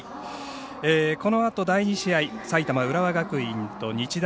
このあと第２試合埼玉、浦和学院と日大